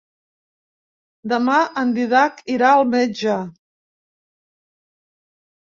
Demà en Dídac irà al metge.